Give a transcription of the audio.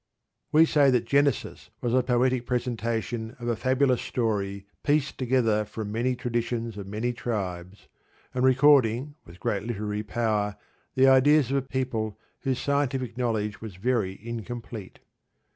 We say that Genesis was a poetic presentation of a fabulous story pieced together from many traditions of many tribes, and recording with great literary power the ideas of a people whose scientific knowledge was very incomplete.